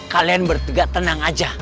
kalian bertiga tenang aja